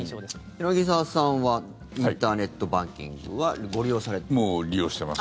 柳澤さんはインターネットバンキングはもう利用してます。